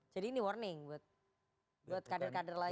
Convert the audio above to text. jadi ini warning buat kader kader lain